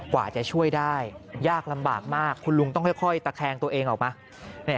กว่าจะช่วยได้ยากลำบากมากคุณลุงต้องค่อยตะแคงตัวเองออกมา